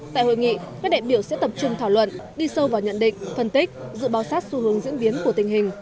tại hội nghị các đại biểu sẽ tập trung thảo luận đi sâu vào nhận định phân tích dự báo sát xu hướng diễn biến của tình hình